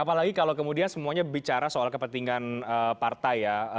apalagi kalau kemudian semuanya bicara soal kepentingan partai ya